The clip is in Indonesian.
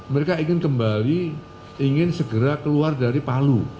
mereka ingin kembali ingin segera keluar dari palu